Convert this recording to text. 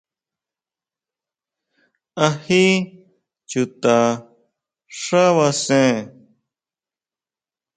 ¿Á jí chuta xábasen?